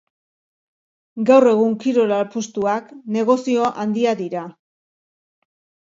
Gaur egun kirol apustuak negozio handia dira.